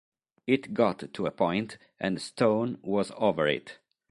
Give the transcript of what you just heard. It got to a point and Stone was over it.